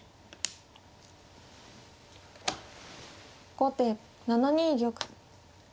後手７二玉。